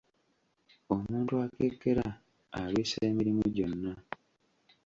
Omuntu akekkera alwisa emirimu gyonna.